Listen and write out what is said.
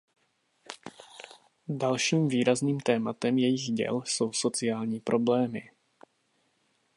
Dalším výrazným tématem jejích děl jsou sociální problémy.